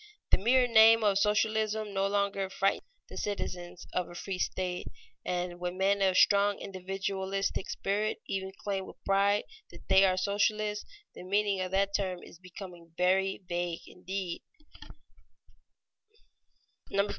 The mere name of socialism no longer frightens the citizens of a free state, and when men of strong individualistic spirit even claim with pride that they are socialists, the meaning of that term is becoming very vague indeed.